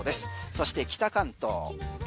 そして北関東。